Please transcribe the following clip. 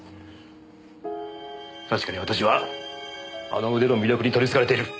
確かに私はあの腕の魅力にとりつかれている。